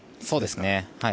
そうですね。